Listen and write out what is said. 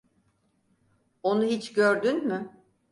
Onu hiç gördün mü?